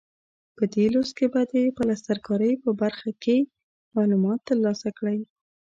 په دې لوست کې به د پلستر کارۍ په برخه کې معلومات ترلاسه کړئ.